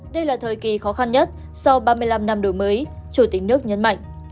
đây là thời kỳ khó khăn nhất sau ba mươi năm năm đổi mới chủ tịch nước nhấn mạnh